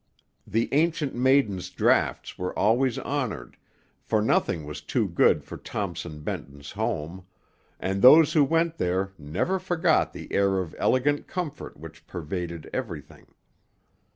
The Ancient Maiden's drafts were always honored, for nothing was too good for Thompson Benton's home; and those who went there never forgot the air of elegant comfort which pervaded everything.